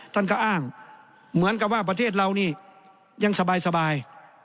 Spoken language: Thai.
ท่านก็อ้างเหมือนกับว่าประเทศเรานี่ยังสบาย